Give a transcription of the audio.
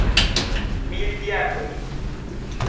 Mil diabloj!